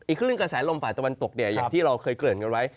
อีกครึ่งกระแสลมฝ่ายตะวันตกอย่างที่เราเคยเกิดกันไว้